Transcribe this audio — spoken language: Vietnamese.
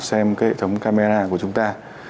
xem hệ thống camera của chúng ta